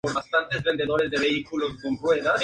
Madura a lo largo del verano.